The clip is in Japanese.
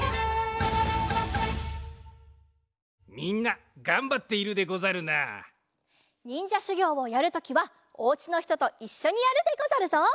みんながんばっているでござるな。にんじゃしゅぎょうをやるときはお家のひとといっしょにやるでござるぞ。